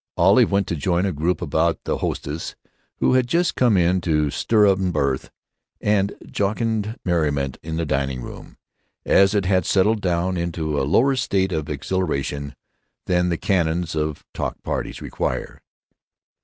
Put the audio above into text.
Olive went to join a group about the hostess, who had just come in to stir up mirth and jocund merriment in the dining room, as it had settled down into a lower state of exhilaration than the canons of talk parties require.